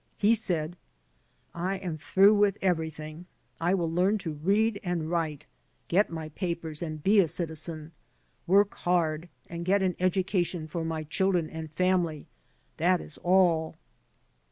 He said : "I am through with everything. I will learn to read and write, get my papers and be a citizen, work hard and i^et an education for my children and family; that is all."